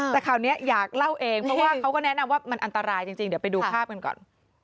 แต่ข่าวนี้อยากเล่าเองเพราะว่าเขาก็แนะนำว่ามันอันตรายจริงเดี๋ยวไปดูภาพกันก่อน